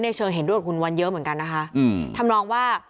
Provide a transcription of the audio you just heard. เชิงเห็นด้วยกับคุณวันเยอะเหมือนกันนะคะอืมทำนองว่า